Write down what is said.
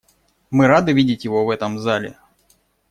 Мы рады видеть его в этом зале.